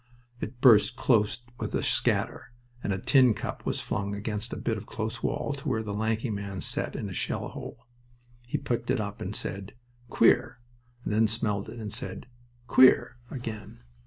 It burst close with a scatter, and a tin cup was flung against a bit of wall close to where the lanky man sat in a shell hole. He picked it up and said, "Queer!" and then smelled it, and said "Queer!" again.